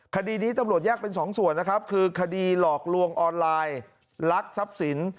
คดีนี้ตำรวจแยกเป็นสองส่วนนะครับคือคดีหลอกลวงออนไลน์ลักทรัพย์สิน